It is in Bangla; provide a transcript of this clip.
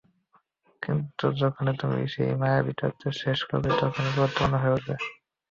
কিন্তু যখনই তুমি সেই মায়াবী রাতটা শেষ করবে, তখনই এটা গুরুত্বপূর্ণ হয়ে উঠবে।